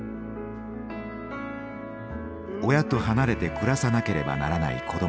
親と離れて暮らさなければならない子どもたち。